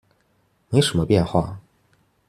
沒什麼變化